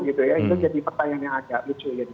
itu jadi pertanyaan yang agak lucu